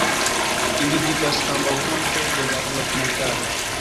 Ili vivas ambaŭflanke de la Rok-Montaro.